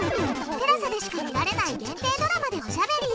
テラサでしか見られない限定ドラマでおしゃべり。